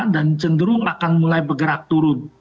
dan cenderung akan mulai bergerak turun